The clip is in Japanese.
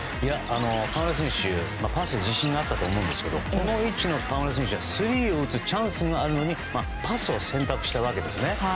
河村選手、パス自信があったと思うんですがこの位置の河村選手はスリーを打つチャンスがあるのにパスを選択したわけです。